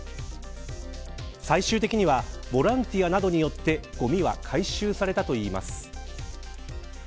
最終的にはボランティアなどによってごみは回収されたといいます。